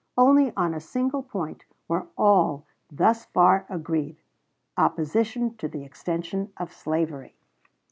Only on a single point were all thus far agreed opposition to the extension of slavery.